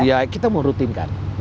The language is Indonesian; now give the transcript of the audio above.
ya kita mau rutinkan